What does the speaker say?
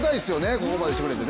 ここまでしてくれて。